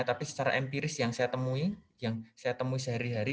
tapi secara empiris yang saya temui sehari hari